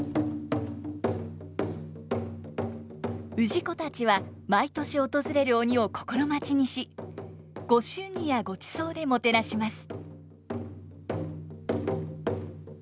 氏子たちは毎年訪れる鬼を心待ちにし御祝儀やごちそうでもてなします。